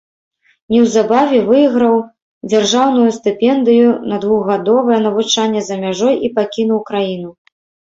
Неўзабаве выйграў дзяржаўную стыпендыю на двухгадовае навучанне за мяжой і пакінуў краіну.